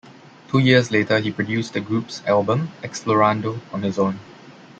Two years later, he produced the group's album, Explorando, on his own.